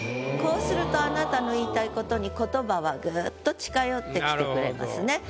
こうするとあなたの言いたいことに言葉はぐっと近寄ってきてくれますね。